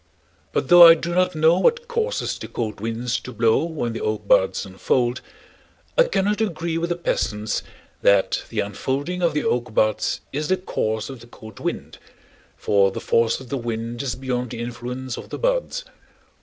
But though I do not know what causes the cold winds to blow when the oak buds unfold, I cannot agree with the peasants that the unfolding of the oak buds is the cause of the cold wind, for the force of the wind is beyond the influence of the buds.